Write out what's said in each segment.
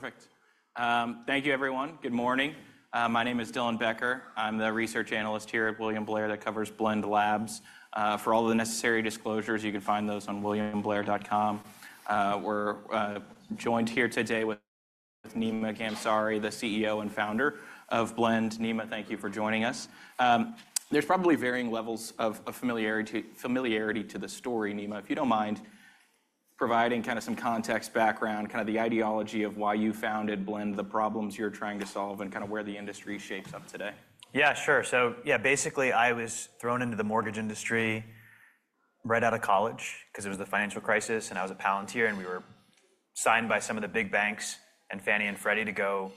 Perfect. Thank you, everyone. Good morning. My name is Dylan Becker. I'm the research analyst here at William Blair that covers Blend Labs. For all the necessary disclosures, you can find those on williamblair.com. We're joined here today with Nima Ghamsari, the CEO and founder of Blend. Nima, thank you for joining us. There's probably varying levels of familiarity to the story, Nima. If you don't mind providing kind of some context, background, kind of the ideology of why you founded Blend, the problems you're trying to solve, and kind of where the industry shapes up today. Yeah, sure. So yeah, basically, I was thrown into the mortgage industry right out of college because it was the financial crisis. And I was at Palantir, and we were signed by some of the big banks and Fannie Mae and Freddie Mac to go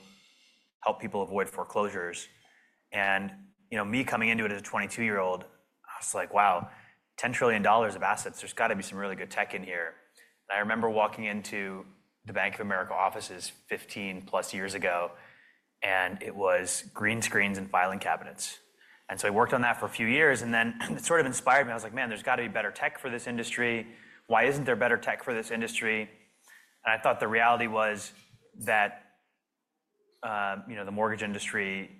help people avoid foreclosures. And me coming into it as a 22-year-old, I was like, wow, $10 trillion of assets. There's got to be some really good tech in here. I remember walking into the Bank of America offices 15-plus years ago, and it was green screens and filing cabinets. I worked on that for a few years. It sort of inspired me. I was like, man, there's got to be better tech for this industry. Why isn't there better tech for this industry? I thought the reality was that the mortgage industry,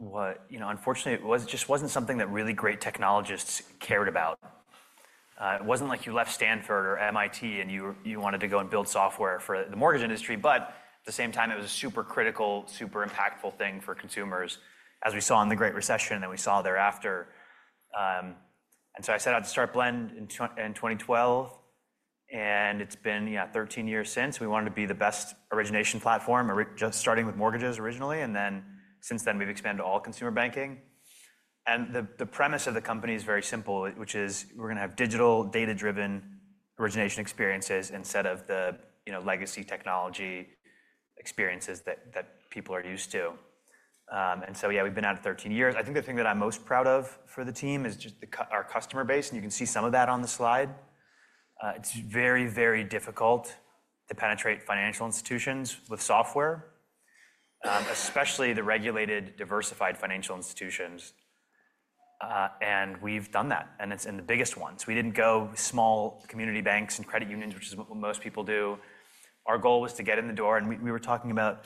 unfortunately, it just was not something that really great technologists cared about. It was not like you left Stanford or MIT and you wanted to go and build software for the mortgage industry. At the same time, it was a super critical, super impactful thing for consumers, as we saw in the Great Recession that we saw thereafter. I set out to start Blend in 2012. It has been 13 years since. We wanted to be the best origination platform, just starting with mortgages originally. Since then, we have expanded to all consumer banking. The premise of the company is very simple, which is we are going to have digital, data-driven origination experiences instead of the legacy technology experiences that people are used to. We have been at it 13 years. I think the thing that I'm most proud of for the team is our customer base. You can see some of that on the slide. It's very, very difficult to penetrate financial institutions with software, especially the regulated, diversified financial institutions. We've done that. It's in the biggest ones. We didn't go small community banks and credit unions, which is what most people do. Our goal was to get in the door. We were talking about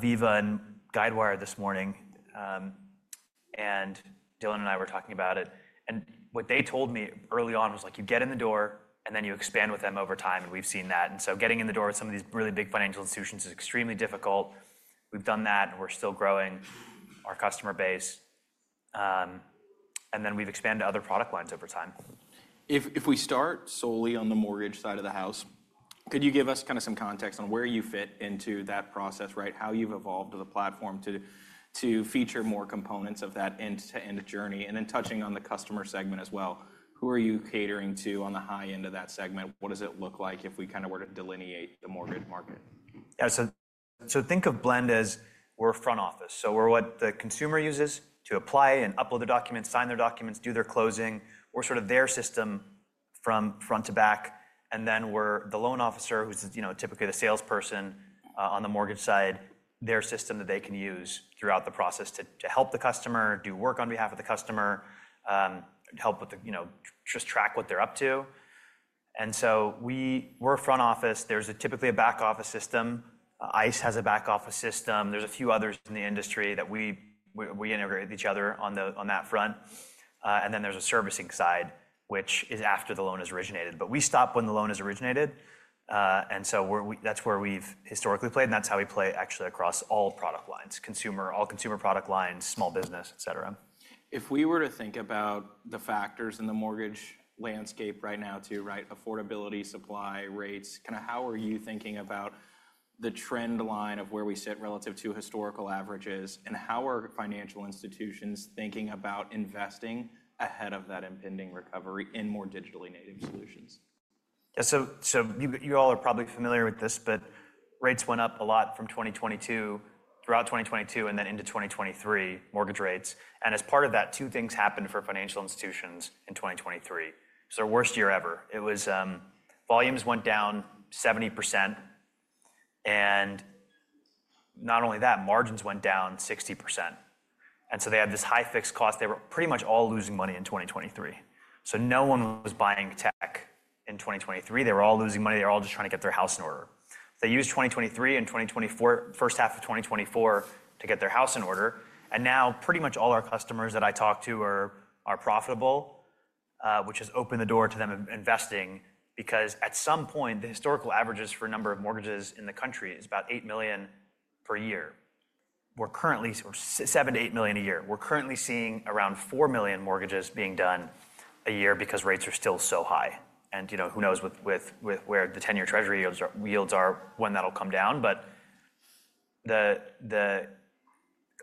Viva and Guidewire this morning. Dylan and I were talking about it. What they told me early on was like, you get in the door, and then you expand with them over time. We've seen that. Getting in the door with some of these really big financial institutions is extremely difficult. We've done that, and we're still growing our customer base. We have expanded to other product lines over time. If we start solely on the mortgage side of the house, could you give us kind of some context on where you fit into that process, right? How you've evolved the platform to feature more components of that end-to-end journey? Then touching on the customer segment as well. Who are you catering to on the high end of that segment? What does it look like if we kind of were to delineate the mortgage market? Yeah, so think of Blend as we're a front office. We're what the consumer uses to apply and upload their documents, sign their documents, do their closing. We're sort of their system from front to back. We're the loan officer, who's typically the salesperson on the mortgage side, their system that they can use throughout the process to help the customer, do work on behalf of the customer, help with just track what they're up to. We're a front office. There's typically a back-office system. ICE has a back-office system. There's a few others in the industry that we integrate with each other on that front. There's a servicing side, which is after the loan has originated. We stop when the loan has originated. That's where we've historically played. That's how we play, actually, across all product lines: consumer, all consumer product lines, small business, et cetera. If we were to think about the factors in the mortgage landscape right now too, right? Affordability, supply, rates, kind of how are you thinking about the trend line of where we sit relative to historical averages? How are financial institutions thinking about investing ahead of that impending recovery in more digitally native solutions? Yeah, so you all are probably familiar with this. Rates went up a lot from 2022, throughout 2022, and then into 2023, mortgage rates. As part of that, two things happened for financial institutions in 2023. It was their worst year ever. Volumes went down 70%. Not only that, margins went down 60%. They had this high fixed cost. They were pretty much all losing money in 2023. No one was buying tech in 2023. They were all losing money. They were all just trying to get their house in order. They used 2023 and 2024, the first half of 2024, to get their house in order. Now pretty much all our customers that I talk to are profitable, which has opened the door to them investing because at some point, the historical averages for a number of mortgages in the country is about 8 million per year. We're currently 7-8 million a year. We're currently seeing around 4 million mortgages being done a year because rates are still so high. Who knows where the 10-year Treasury yields are when that'll come down.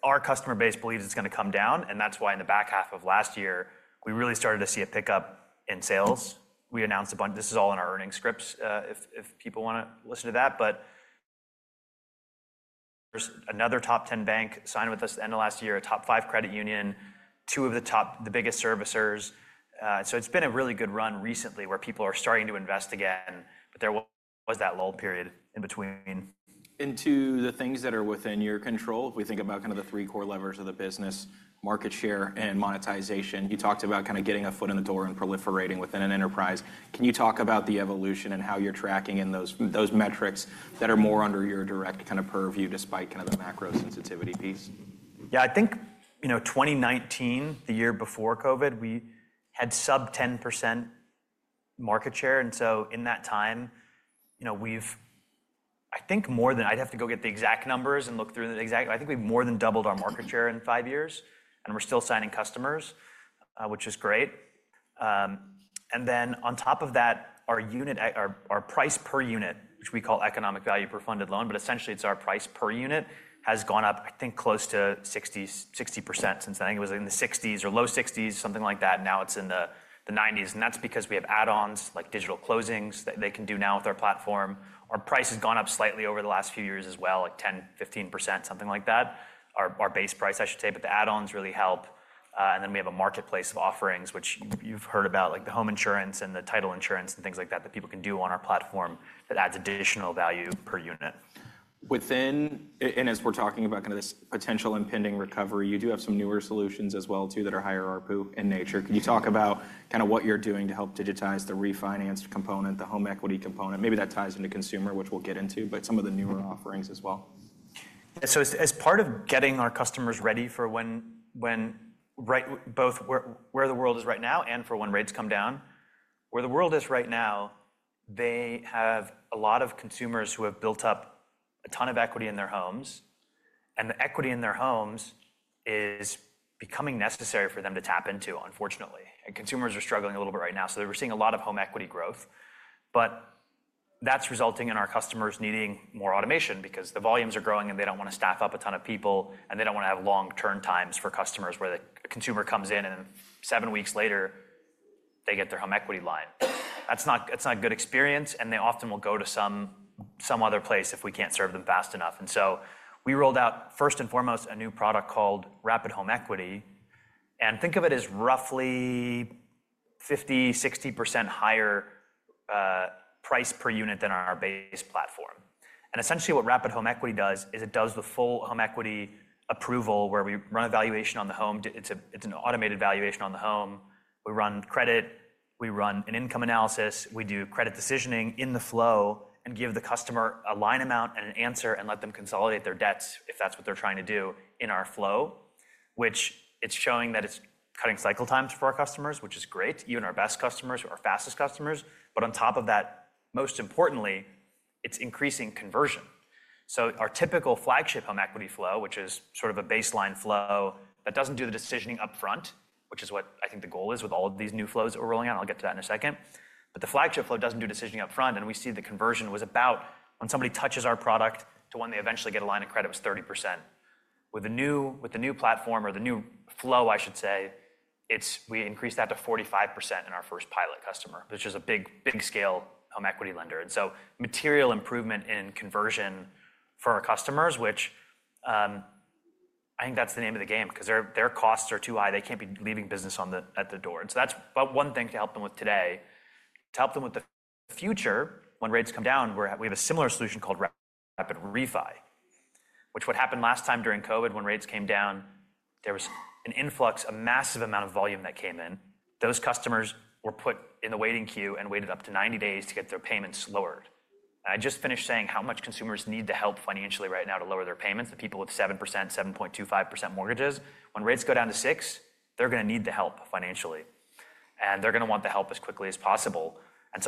Our customer base believes it's going to come down. That's why in the back half of last year, we really started to see a pickup in sales. We announced a bunch. This is all in our earnings scripts if people want to listen to that. Another top 10 bank signed with us at the end of last year, a top 5 credit union, two of the biggest servicers. It has been a really good run recently where people are starting to invest again. There was that lull period in between. Into the things that are within your control, if we think about kind of the three core levers of the business, market share, and monetization, you talked about kind of getting a foot in the door and proliferating within an enterprise. Can you talk about the evolution and how you're tracking in those metrics that are more under your direct kind of purview despite kind of the macro sensitivity piece? Yeah, I think 2019, the year before COVID, we had sub-10% market share. In that time, we've, I think, more than—I'd have to go get the exact numbers and look through the exact—I think we've more than doubled our market share in five years. We're still signing customers, which is great. On top of that, our price per unit, which we call economic value per funded loan, but essentially it's our price per unit, has gone up, I think, close to 60% since—I think it was in the 60s or low 60s, something like that. Now it's in the 90s. That's because we have add-ons like digital closings that they can do now with our platform. Our price has gone up slightly over the last few years as well, like 10%-15%, something like that, our base price, I should say. The add-ons really help. And then we have a marketplace of offerings, which you've heard about, like the home insurance and the title insurance and things like that that people can do on our platform that adds additional value per unit. As we're talking about kind of this potential impending recovery, you do have some newer solutions as well too that are hierarchical in nature. Can you talk about kind of what you're doing to help digitize the refinanced component, the home equity component? Maybe that ties into consumer, which we'll get into, but some of the newer offerings as well. Yeah, so as part of getting our customers ready for where the world is right now and for when rates come down, where the world is right now, they have a lot of consumers who have built up a ton of equity in their homes. The equity in their homes is becoming necessary for them to tap into, unfortunately. Consumers are struggling a little bit right now. They are seeing a lot of home equity growth. That is resulting in our customers needing more automation because the volumes are growing, and they do not want to staff up a ton of people. They do not want to have long turn times for customers where the consumer comes in, and then seven weeks later, they get their home equity line. That is not a good experience. They often will go to some other place if we can't serve them fast enough. We rolled out, first and foremost, a new product called Rapid Home Equity. Think of it as roughly 50%-60% higher price per unit than our base platform. Essentially what Rapid Home Equity does is it does the full home equity approval where we run a valuation on the home. It's an automated valuation on the home. We run credit. We run an income analysis. We do credit decisioning in the flow and give the customer a line amount and an answer and let them consolidate their debts, if that's what they're trying to do, in our flow, which it's showing that it's cutting cycle times for our customers, which is great, even our best customers, our fastest customers. Most importantly, it's increasing conversion. Our typical flagship home equity flow, which is sort of a baseline flow that does not do the decisioning upfront, which is what I think the goal is with all of these new flows that we are rolling out. I will get to that in a second. The flagship flow does not do decisioning upfront. We see the conversion was about when somebody touches our product to when they eventually get a line of credit was 30%. With the new platform, or the new flow, I should say, we increased that to 45% in our first pilot customer, which is a big-scale home equity lender. Material improvement in conversion for our customers, which I think that is the name of the game because their costs are too high. They cannot be leaving business at the door. That is one thing to help them with today. To help them with the future, when rates come down, we have a similar solution called Rapid Refi, which what happened last time during COVID, when rates came down, there was an influx, a massive amount of volume that came in. Those customers were put in the waiting queue and waited up to 90 days to get their payments lowered. I just finished saying how much consumers need to help financially right now to lower their payments. The people with 7%, 7.25% mortgages, when rates go down to 6%, they're going to need the help financially. They're going to want the help as quickly as possible.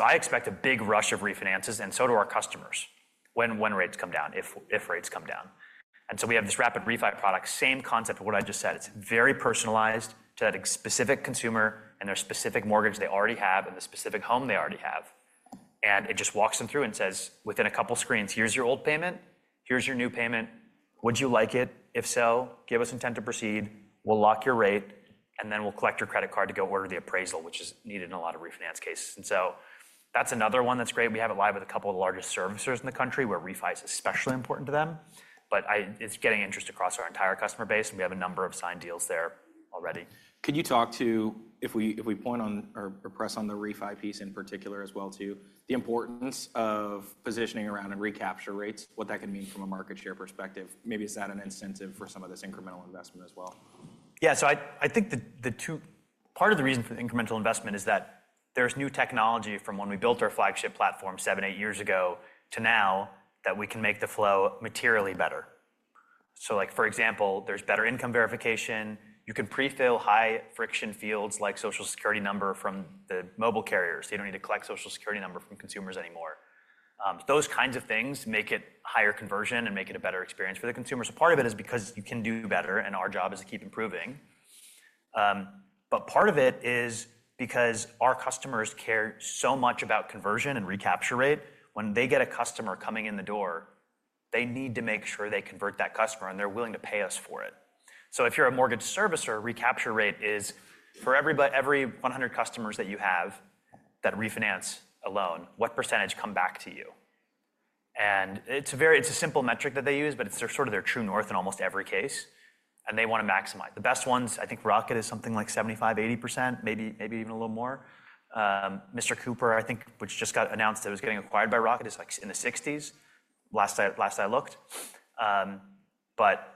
I expect a big rush of refinances, and so do our customers, when rates come down, if rates come down. We have this Rapid Refi product, same concept of what I just said. It's very personalized to that specific consumer and their specific mortgage they already have and the specific home they already have. It just walks them through and says, within a couple of screens, here's your old payment. Here's your new payment. Would you like it? If so, give us intent to proceed. We'll lock your rate. We'll collect your credit card to go order the appraisal, which is needed in a lot of refinance cases. That's another one that's great. We have it live with a couple of the largest servicers in the country where Refi is especially important to them. It's getting interest across our entire customer base. We have a number of signed deals there already. Can you talk to, if we point on or press on the Refi piece in particular as well too, the importance of positioning around and recapture rates, what that can mean from a market share perspective? Maybe is that an incentive for some of this incremental investment as well? Yeah, so I think part of the reason for the incremental investment is that there's new technology from when we built our flagship platform seven, eight years ago to now that we can make the flow materially better. For example, there's better income verification. You can prefill high friction fields like Social Security number from the mobile carriers. You don't need to collect Social Security number from consumers anymore. Those kinds of things make it higher conversion and make it a better experience for the consumers. Part of it is because you can do better. Our job is to keep improving. Part of it is because our customers care so much about conversion and recapture rate. When they get a customer coming in the door, they need to make sure they convert that customer. They're willing to pay us for it. If you're a mortgage servicer, recapture rate is for every 100 customers that you have that refinance a loan, what percentage come back to you? It's a simple metric that they use, but it's sort of their true north in almost every case. They want to maximize. The best ones, I think Rocket is something like 75%-80%, maybe even a little more. Mr. Cooper, I think, which just got announced that it was getting acquired by Rocket, is like in the 60s last I looked.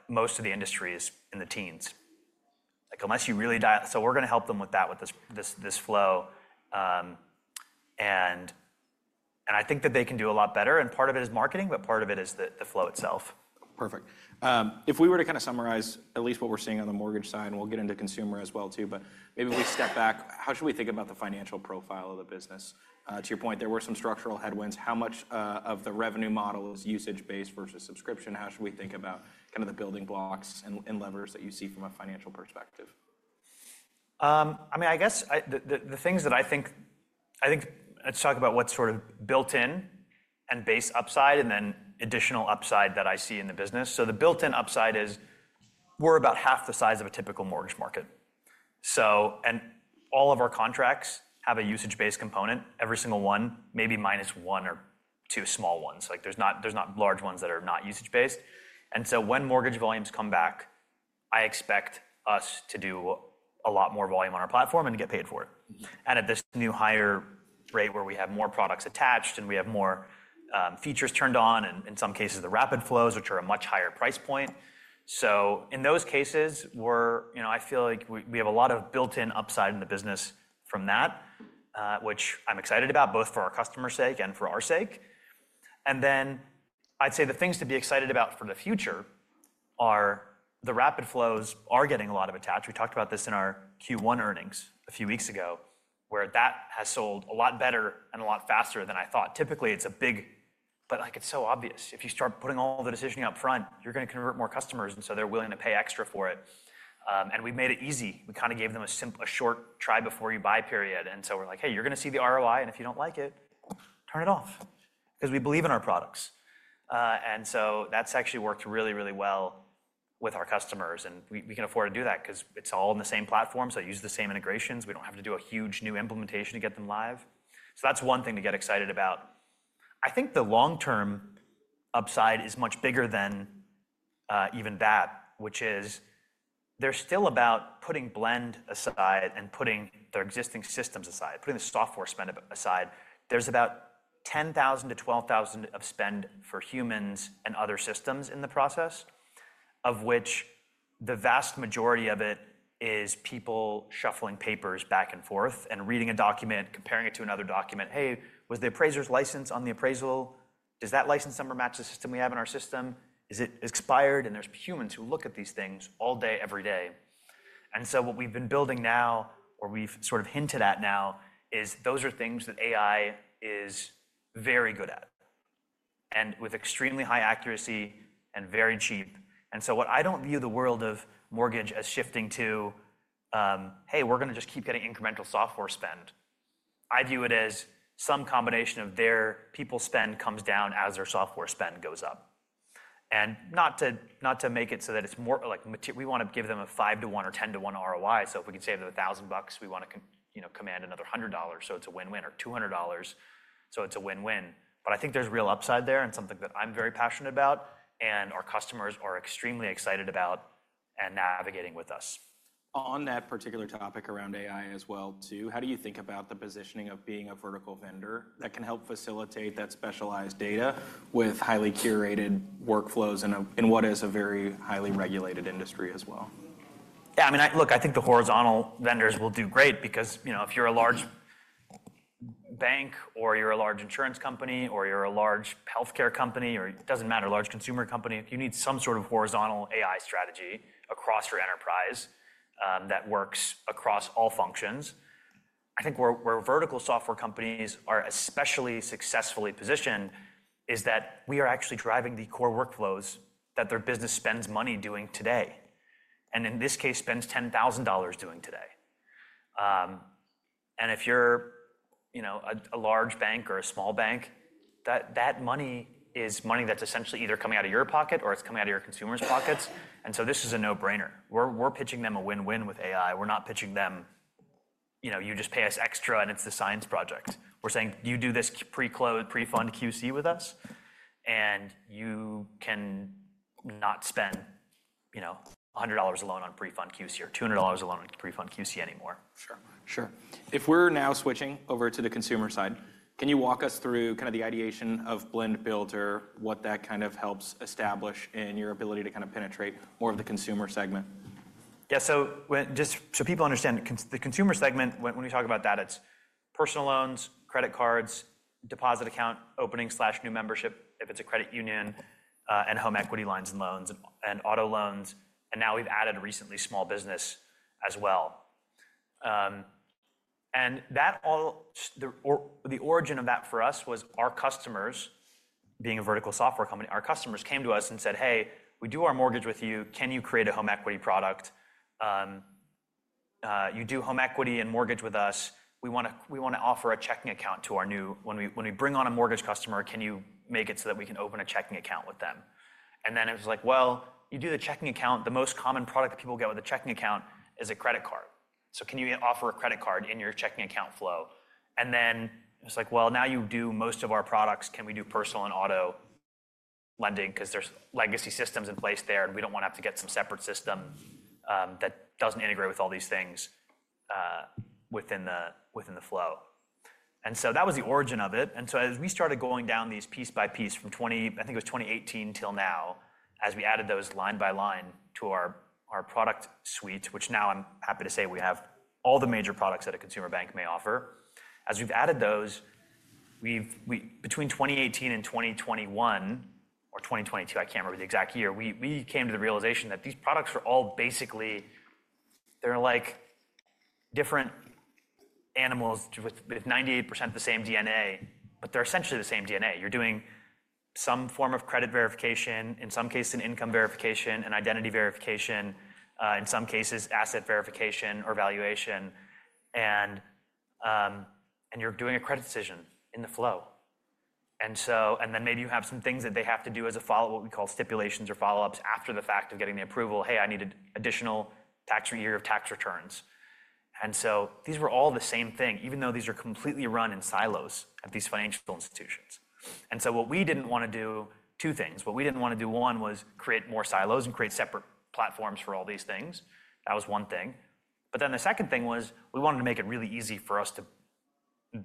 Most of the industry is in the teens. Unless you really dial it, we're going to help them with that, with this flow. I think that they can do a lot better. Part of it is marketing, but part of it is the flow itself. Perfect. If we were to kind of summarize at least what we're seeing on the mortgage side, and we'll get into consumer as well too, but maybe if we step back, how should we think about the financial profile of the business? To your point, there were some structural headwinds. How much of the revenue model is usage-based versus subscription? How should we think about kind of the building blocks and levers that you see from a financial perspective? I mean, I guess the things that I think, let's talk about what's sort of built-in and base upside and then additional upside that I see in the business. The built-in upside is we're about half the size of a typical mortgage market. All of our contracts have a usage-based component, every single one, maybe minus one or two small ones. There are not large ones that are not usage-based. When mortgage volumes come back, I expect us to do a lot more volume on our platform and get paid for it. At this new higher rate where we have more products attached and we have more features turned on, and in some cases the rapid flows, which are a much higher price point. In those cases, I feel like we have a lot of built-in upside in the business from that, which I'm excited about both for our customer's sake and for our sake. I'd say the things to be excited about for the future are the rapid flows are getting a lot of attached. We talked about this in our Q1 earnings a few weeks ago where that has sold a lot better and a lot faster than I thought. Typically, it's a big. It's so obvious. If you start putting all the decisioning upfront, you're going to convert more customers. They're willing to pay extra for it. We've made it easy. We kind of gave them a short try before you buy period. We're like, hey, you're going to see the ROI. If you do not like it, turn it off because we believe in our products. That has actually worked really, really well with our customers. We can afford to do that because it is all in the same platform. It uses the same integrations. We do not have to do a huge new implementation to get them live. That is one thing to get excited about. I think the long-term upside is much bigger than even that, which is they are still about putting Blend aside and putting their existing systems aside, putting the software spend aside. There is about $10,000-$12,000 of spend for humans and other systems in the process, of which the vast majority of it is people shuffling papers back and forth and reading a document, comparing it to another document. Hey, was the appraiser's license on the appraisal? Does that license number match the system we have in our system? Is it expired? There are humans who look at these things all day, every day. What we have been building now, or we have sort of hinted at now, is those are things that AI is very good at and with extremely high accuracy and very cheap. What I do not view the world of mortgage as shifting to is, hey, we are going to just keep getting incremental software spend. I view it as some combination of their people spend comes down as their software spend goes up. Not to make it so that it is more like we want to give them a 5 to 1 or 10 to 1 ROI. If we can save them $1,000, we want to command another $100, so it is a win-win, or $200, so it is a win-win. I think there's real upside there and something that I'm very passionate about and our customers are extremely excited about and navigating with us. On that particular topic around AI as well too, how do you think about the positioning of being a vertical vendor that can help facilitate that specialized data with highly curated workflows in what is a very highly regulated industry as well? Yeah, I mean, look, I think the horizontal vendors will do great because if you're a large bank or you're a large insurance company or you're a large healthcare company or it doesn't matter, large consumer company, you need some sort of horizontal AI strategy across your enterprise that works across all functions. I think where vertical software companies are especially successfully positioned is that we are actually driving the core workflows that their business spends money doing today and in this case spends $10,000 doing today. If you're a large bank or a small bank, that money is money that's essentially either coming out of your pocket or it's coming out of your consumers' pockets. This is a no-brainer. We're pitching them a win-win with AI. We're not pitching them, you just pay us extra and it's the science project. We're saying, you do this pre-fund QC with us, and you cannot spend $100 alone on pre-fund QC or $200 alone on pre-fund QC anymore. Sure, sure. If we're now switching over to the consumer side, can you walk us through kind of the ideation of Blend Builder, what that kind of helps establish in your ability to kind of penetrate more of the consumer segment? Yeah, so just so people understand, the consumer segment, when we talk about that, it's personal loans, credit cards, deposit account opening/new membership if it's a credit union, and home equity lines and loans and auto loans. Now we've added recently small business as well. The origin of that for us was our customers being a vertical software company, our customers came to us and said, hey, we do our mortgage with you. Can you create a home equity product? You do home equity and mortgage with us. We want to offer a checking account to our new when we bring on a mortgage customer, can you make it so that we can open a checking account with them? It was like, well, you do the checking account. The most common product that people get with a checking account is a credit card. Can you offer a credit card in your checking account flow? And then it was like, well, now you do most of our products. Can we do personal and auto lending? Because there are legacy systems in place there. We do not want to have to get some separate system that does not integrate with all these things within the flow. That was the origin of it. As we started going down these piece by piece from 2018 till now, as we added those line by line to our product suite, which now I am happy to say we have all the major products that a consumer bank may offer. As we've added those, between 2018 and 2021 or 2022, I can't remember the exact year, we came to the realization that these products are all basically, they're like different animals with 98% of the same DNA, but they're essentially the same DNA. You're doing some form of credit verification, in some cases an income verification, an identity verification, in some cases asset verification or valuation. You're doing a credit decision in the flow. Maybe you have some things that they have to do as a follow-up, what we call stipulations or follow-ups after the fact of getting the approval, hey, I need an additional tax year of tax returns. These were all the same thing, even though these are completely run in silos at these financial institutions. What we didn't want to do, two things. What we didn't want to do, one was create more silos and create separate platforms for all these things. That was one thing. The second thing was we wanted to make it really easy for us to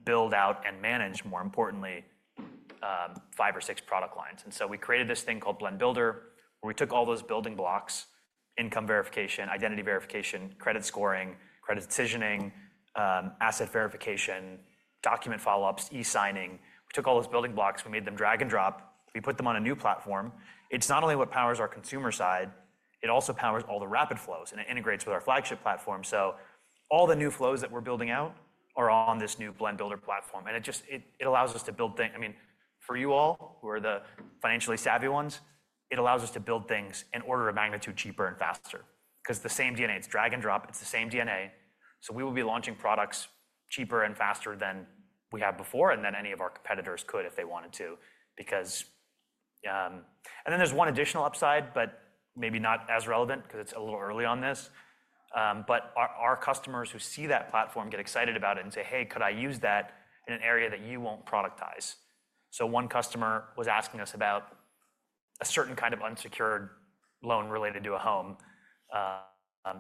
build out and manage, more importantly, five or six product lines. We created this thing called Blend Builder, where we took all those building blocks: income verification, identity verification, credit scoring, credit decisioning, asset verification, document follow-ups, e-signing. We took all those building blocks. We made them drag and drop. We put them on a new platform. It's not only what powers our consumer side, it also powers all the rapid flows. It integrates with our flagship platform. All the new flows that we're building out are on this new Blend Builder platform. It allows us to build things. I mean, for you all who are the financially savvy ones, it allows us to build things an order of magnitude cheaper and faster because the same DNA, it's drag and drop. It's the same DNA. We will be launching products cheaper and faster than we have before and than any of our competitors could if they wanted to. There is one additional upside, but maybe not as relevant because it's a little early on this. Our customers who see that platform get excited about it and say, hey, could I use that in an area that you won't productize? One customer was asking us about a certain kind of unsecured loan related to a home.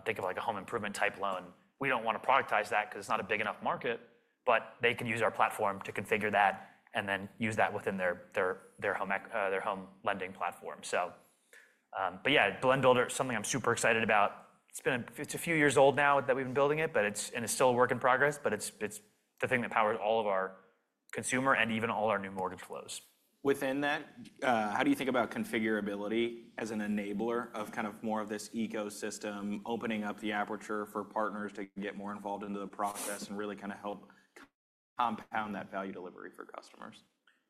Think of like a home improvement type loan. We don't want to productize that because it's not a big enough market. They can use our platform to configure that and then use that within their home lending platform. Yeah, Blend Builder is something I'm super excited about. It's a few years old now that we've been building it, and it's still a work in progress. It's the thing that powers all of our consumer and even all our new mortgage flows. Within that, how do you think about configurability as an enabler of kind of more of this ecosystem, opening up the aperture for partners to get more involved into the process and really kind of help compound that value delivery for customers?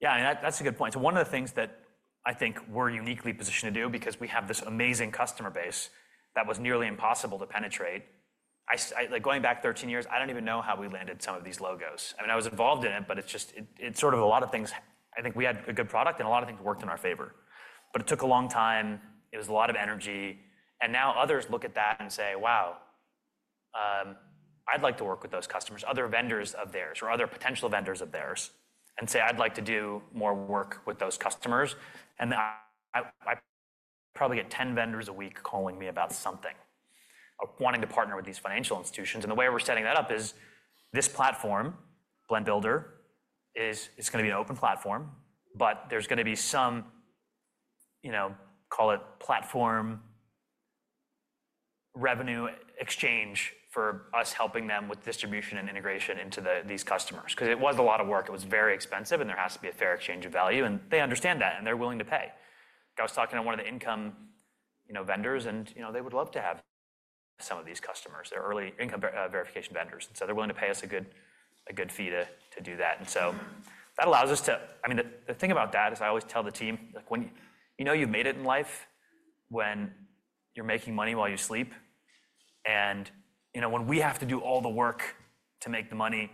Yeah, and that's a good point. One of the things that I think we're uniquely positioned to do because we have this amazing customer base that was nearly impossible to penetrate, going back 13 years, I don't even know how we landed some of these logos. I mean, I was involved in it, but it's just sort of a lot of things. I think we had a good product, and a lot of things worked in our favor. It took a long time. It was a lot of energy. Now others look at that and say, wow, I'd like to work with those customers, other vendors of theirs or other potential vendors of theirs, and say, I'd like to do more work with those customers. I probably get 10 vendors a week calling me about something or wanting to partner with these financial institutions. The way we're setting that up is this platform, Blend Builder, is going to be an open platform, but there's going to be some, call it platform revenue exchange for us helping them with distribution and integration into these customers because it was a lot of work. It was very expensive, and there has to be a fair exchange of value. They understand that, and they're willing to pay. I was talking to one of the income vendors, and they would love to have some of these customers, their early income verification vendors. They're willing to pay us a good fee to do that. That allows us to, I mean, the thing about that is I always tell the team, you know you've made it in life when you're making money while you sleep. When we have to do all the work to make the money,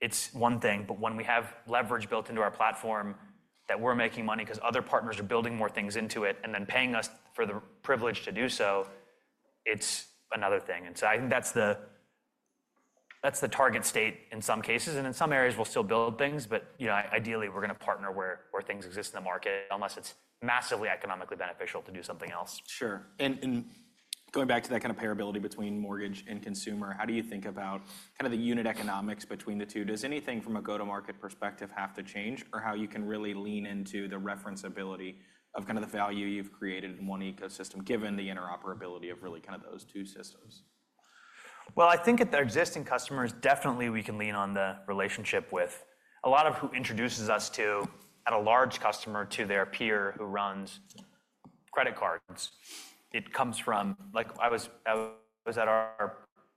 it's one thing. When we have leverage built into our platform that we're making money because other partners are building more things into it and then paying us for the privilege to do so, it's another thing. I think that's the target state in some cases. In some areas, we'll still build things. Ideally, we're going to partner where things exist in the market unless it's massively economically beneficial to do something else. Sure. Going back to that kind of parability between mortgage and consumer, how do you think about kind of the unit economics between the two? Does anything from a go-to-market perspective have to change or how you can really lean into the reference ability of kind of the value you have created in one ecosystem given the interoperability of really kind of those two systems? I think at the existing customers, definitely we can lean on the relationship with a lot of who introduces us to, at a large customer, to their peer who runs credit cards. It comes from, like I was at our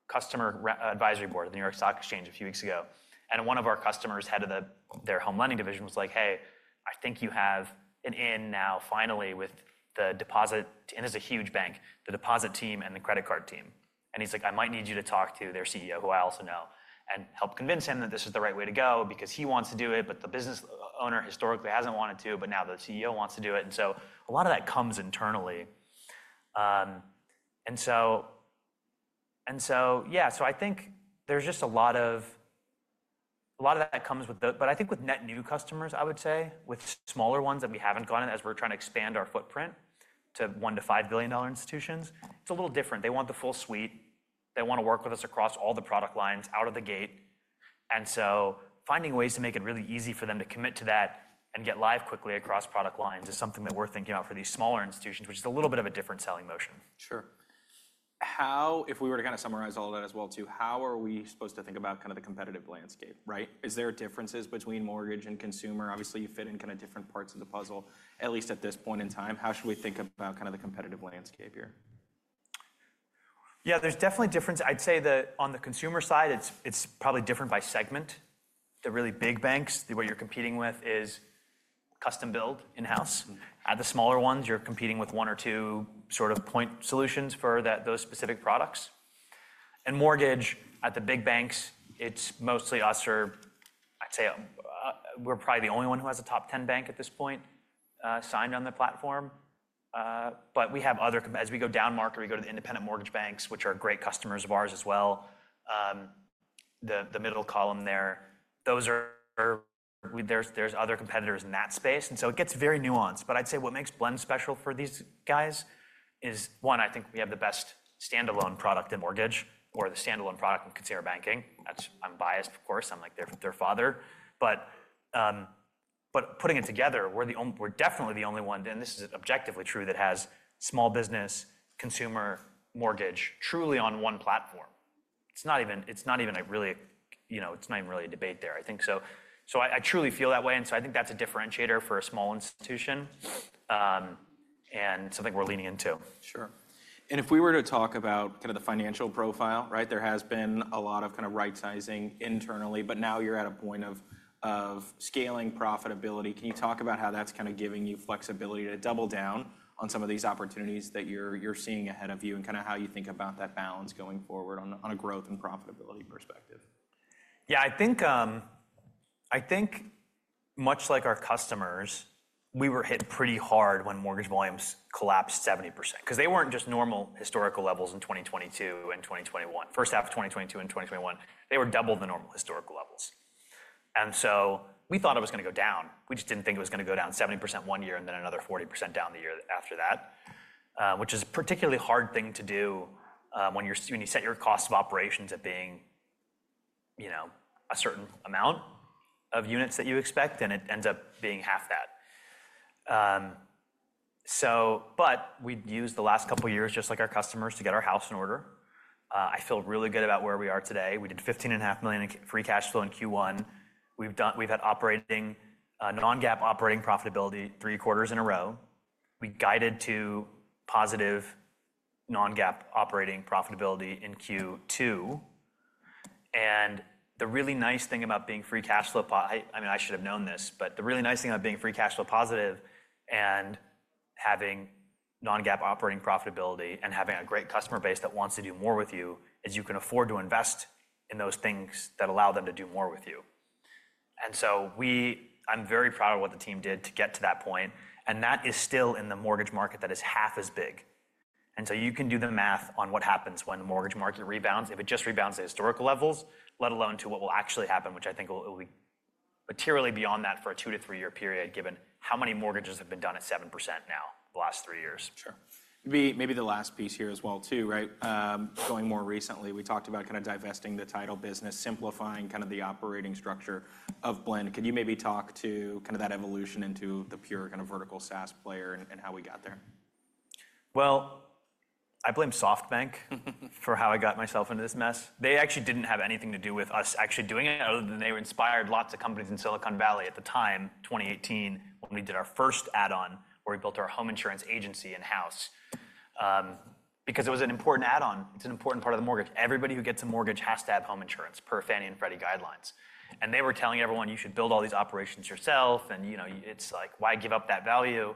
customer advisory board at the New York Stock Exchange a few weeks ago. One of our customers, head of their home lending division, was like, hey, I think you have an end now finally with the deposit, and it's a huge bank, the deposit team and the credit card team. He's like, I might need you to talk to their CEO, who I also know, and help convince him that this is the right way to go because he wants to do it, but the business owner historically hasn't wanted to, but now the CEO wants to do it. A lot of that comes internally. Yeah, I think there's just a lot of that that comes with, but I think with net new customers, I would say, with smaller ones that we haven't gotten as we're trying to expand our footprint to $1 billion-$5 billion institutions, it's a little different. They want the full suite. They want to work with us across all the product lines out of the gate. Finding ways to make it really easy for them to commit to that and get live quickly across product lines is something that we're thinking about for these smaller institutions, which is a little bit of a different selling motion. Sure. How, if we were to kind of summarize all of that as well too, how are we supposed to think about kind of the competitive landscape, right? Is there differences between mortgage and consumer? Obviously, you fit in kind of different parts of the puzzle, at least at this point in time. How should we think about kind of the competitive landscape here? Yeah, there's definitely difference. I'd say that on the consumer side, it's probably different by segment. The really big banks, the way you're competing with is custom build in-house. At the smaller ones, you're competing with one or two sort of point solutions for those specific products. In mortgage, at the big banks, it's mostly us or I'd say we're probably the only one who has a top 10 bank at this point signed on the platform. We have other, as we go down market, we go to the independent mortgage banks, which are great customers of ours as well. The middle column there, those are, there's other competitors in that space. It gets very nuanced. I'd say what makes Blend special for these guys is, one, I think we have the best standalone product in mortgage or the standalone product in consumer banking. I'm biased, of course. I'm like their father. But putting it together, we're definitely the only one, and this is objectively true, that has small business, consumer, mortgage truly on one platform. It's not even really a debate there, I think. I truly feel that way. I think that's a differentiator for a small institution and something we're leaning into. Sure. If we were to talk about kind of the financial profile, right, there has been a lot of kind of rightsizing internally, but now you're at a point of scaling profitability. Can you talk about how that's kind of giving you flexibility to double down on some of these opportunities that you're seeing ahead of you and kind of how you think about that balance going forward on a growth and profitability perspective? Yeah, I think much like our customers, we were hit pretty hard when mortgage volumes collapsed 70% because they were not just normal historical levels in 2022 and 2021. First half of 2022 and 2021, they were double the normal historical levels. We thought it was going to go down. We just did not think it was going to go down 70% one year and then another 40% down the year after that, which is a particularly hard thing to do when you set your cost of operations at being a certain amount of units that you expect, and it ends up being half that. We have used the last couple of years, just like our customers, to get our house in order. I feel really good about where we are today. We did $15.5 million in free cash flow in Q1. We've had operating non-GAAP operating profitability three quarters in a row. We guided to positive non-GAAP operating profitability in Q2. The really nice thing about being free cash flow, I mean, I should have known this, but the really nice thing about being free cash flow positive and having non-GAAP operating profitability and having a great customer base that wants to do more with you is you can afford to invest in those things that allow them to do more with you. I am very proud of what the team did to get to that point. That is still in the mortgage market that is half as big. You can do the math on what happens when the mortgage market rebounds. If it just rebounds to historical levels, let alone to what will actually happen, which I think will be materially beyond that for a two- to three-year period, given how many mortgages have been done at 7% now the last three years. Sure. Maybe the last piece here as well too, right? Going more recently, we talked about kind of divesting the title business, simplifying kind of the operating structure of Blend. Could you maybe talk to kind of that evolution into the pure kind of vertical SaaS player and how we got there? I blame SoftBank for how I got myself into this mess. They actually did not have anything to do with us actually doing it other than they inspired lots of companies in Silicon Valley at the time, 2018, when we did our first add-on where we built our home insurance agency in-house because it was an important add-on. It is an important part of the mortgage. Everybody who gets a mortgage has to have home insurance per Fannie and Freddie guidelines. They were telling everyone, you should build all these operations yourself. It is like, why give up that value?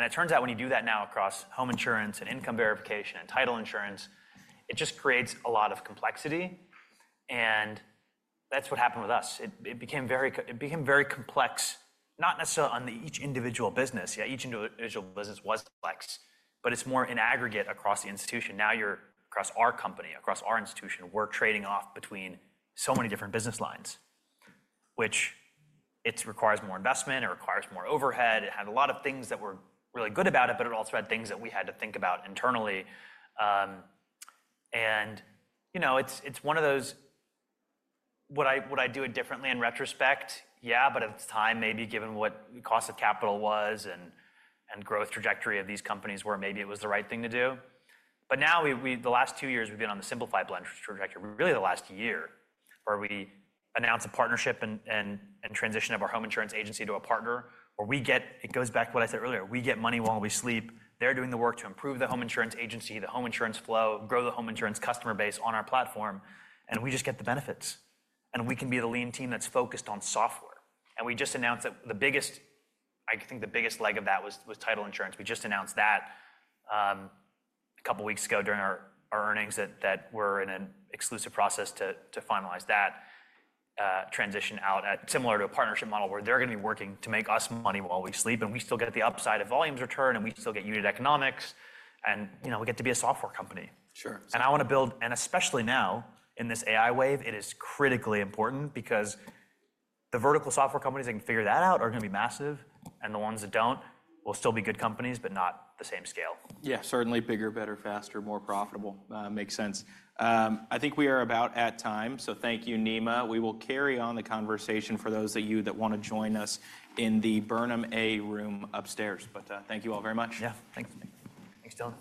It turns out when you do that now across home insurance and income verification and title insurance, it just creates a lot of complexity. That is what happened with us. It became very complex, not necessarily on each individual business. Yeah, each individual business was complex, but it's more in aggregate across the institution. Now you're across our company, across our institution. We're trading off between so many different business lines, which requires more investment. It requires more overhead. It had a lot of things that were really good about it, but it also had things that we had to think about internally. It's one of those, would I do it differently in retrospect? Yeah, but at the time, maybe given what the cost of capital was and growth trajectory of these companies where maybe it was the right thing to do. Now, the last two years, we've been on the simplified Blend trajectory, really the last year where we announced a partnership and transition of our home insurance agency to a partner where we get, it goes back to what I said earlier, we get money while we sleep. They're doing the work to improve the home insurance agency, the home insurance flow, grow the home insurance customer base on our platform, and we just get the benefits. We can be the lean team that's focused on software. We just announced that the biggest, I think the biggest leg of that was title insurance. We just announced that a couple of weeks ago during our earnings that we're in an exclusive process to finalize that transition out at similar to a partnership model where they're going to be working to make us money while we sleep. We still get the upside of volumes return, and we still get unit economics, and we get to be a software company. I want to build, and especially now in this AI wave, it is critically important because the vertical software companies that can figure that out are going to be massive. The ones that do not will still be good companies, but not the same scale. Yeah, certainly bigger, better, faster, more profitable. Makes sense. I think we are about at time. Thank you, Nima. We will carry on the conversation for those of you that want to join us in the Burnham A room upstairs. Thank you all very much. Yeah, thanks. Thanks to them.